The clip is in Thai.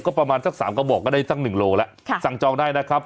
ก็ประมาณสักสามกระบอกก็ได้ตั้งหนึ่งโลแล้วสั่งจองได้นะครับ